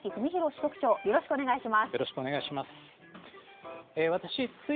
支局長よろしくお願いします。